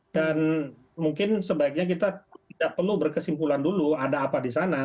dan mungkin sebaiknya kita tidak perlu berkesimpulan dulu ada apa di sana